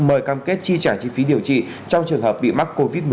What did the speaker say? mời cam kết chi trả chi phí điều trị trong trường hợp bị mắc covid một mươi chín